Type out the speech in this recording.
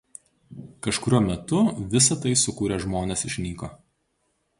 Kažkuriuo metu visą tai sukūrę žmonės išnyko.